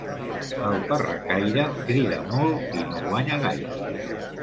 El parracaire crida molt i no guanya gaire.